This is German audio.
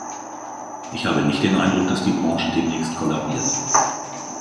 Ich habe nicht den Eindruck, dass die Branche demnächst kollabiert.